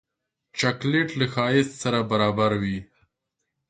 چاکلېټ له ښایست سره برابر وي.